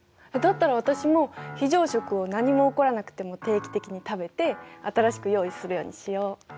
だったら私も非常食を何も起こらなくても定期的に食べて新しく用意するようにしよ。